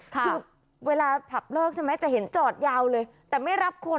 คือเวลาผับเลิกใช่ไหมจะเห็นจอดยาวเลยแต่ไม่รับคน